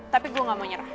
tapi gue gak mau nyerah